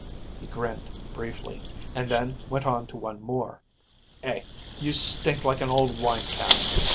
He grinned briefly, and then went on to one more. "Eh, you stink like an old wine cask.